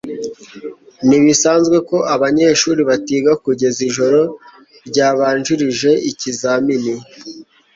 ntibisanzwe ko abanyeshuri batiga kugeza ijoro ryabanjirije ikizamini